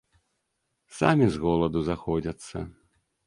Самі з голаду заходзяцца.